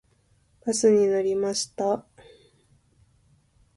バスに乗りました。